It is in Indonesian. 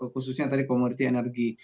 khususnya tadi komoditi energi